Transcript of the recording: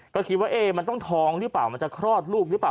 ก็คิดว่ามันต้องท้องหรือเปล่ามันจะคลอดลูกหรือเปล่า